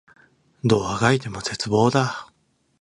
どう足掻いても絶望だ